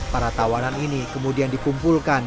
para tawanan ini kemudian dikumpulkan